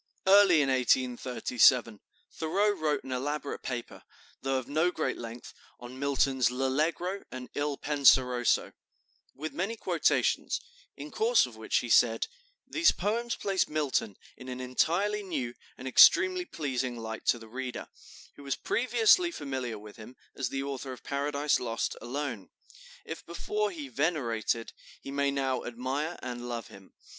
'" Early in 1837 Thoreau wrote an elaborate paper, though of no great length, on Milton's "L'Allegro" and "Il Penseroso," with many quotations, in course of which he said: "These poems place Milton in an entirely new and extremely pleasing light to the reader, who was previously familiar with him as the author of 'Paradise Lost' alone. If before he venerated, he may now admire and love him.